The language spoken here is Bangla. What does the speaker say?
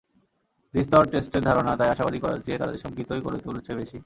দ্বিস্তর টেস্টের ধারণা তাই আশাবাদী করার চেয়ে তাদের শঙ্কিতই করে তুলছে বেশি।